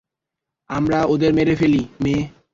আমরা এদের মেরে ফেলি, মেয়ে।